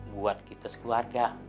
buat kita sekeluarga